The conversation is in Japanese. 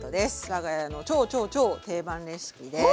わが家の超超超定番レシピです。